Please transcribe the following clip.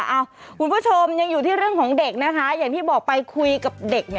คุณผู้ชมยังอยู่ที่เรื่องของเด็กนะคะอย่างที่บอกไปคุยกับเด็ก